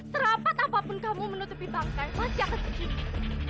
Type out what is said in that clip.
serapat apapun kamu menutupi bangkai masih akan segini